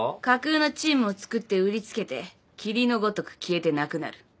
架空のチームをつくって売り付けて霧のごとく消えてなくなる。